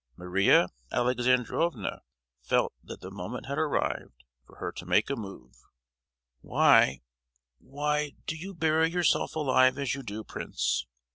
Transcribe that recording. Maria Alexandrovna felt that the moment had arrived for her to make a move. "Why, why do you bury yourself alive as you do, prince?"